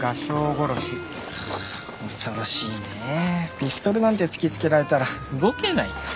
ピストルなんて突きつけられたら動けないよ。